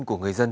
của người dân